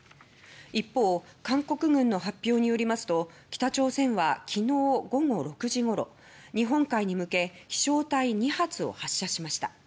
一方、韓国軍の発表によりますと北朝鮮は、きのう午後６時ごろ日本海に向け飛翔体２発を発射しました。